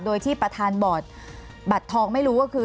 โดยที่ประธานบอร์ดบัตรทองไม่รู้ว่าคือ